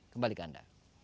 kembali ke anda